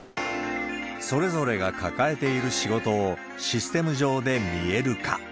それぞれが抱えている仕事をシステム上で見える化。